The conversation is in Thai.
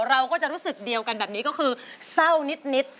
เราก็จะรู้สึกเดียวกันแบบนี้ก็คือเศร้านิด